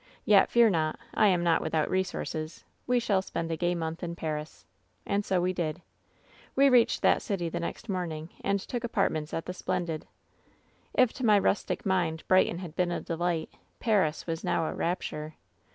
Yet, fear not. I am not without resources. We shall spend a gay month in Paris.' "And so we did. "We reached that city the next morning and took apartments at the ^Splendide.' "If to my rustic mind Brighton had been a delight Paris was now a rapture.